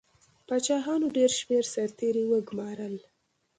پاچاهانو ډېر شمېر سرتیري وګمارل.